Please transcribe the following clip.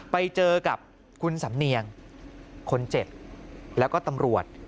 ไปเจอกับคุณสำเนียงคนเจ็บแล้วก็ตำรวจ